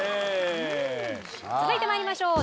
続いて参りましょう。